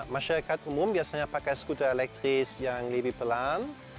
masyarakat umum biasanya pakai skuter elektris yang lebih pelan